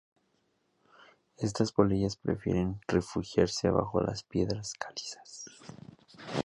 Estas polillas prefieren refugiarse bajo las piedras calizas.